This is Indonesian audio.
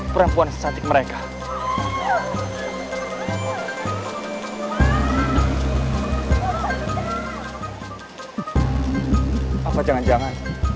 mereka sudah berhasil menangkap mereka